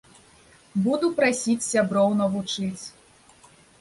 Буду прасіць сяброў навучыць.